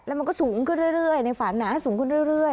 แล้วมันก็สูงขึ้นเรื่อยเรื่อยในฝันน้ำสูงขึ้นเรื่อยเรื่อย